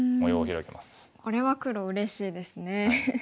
これは黒うれしいですね。